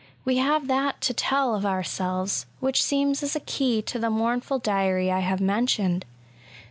We have that to tell of our selves, which seems as a key to the mournful diary I have mentioned.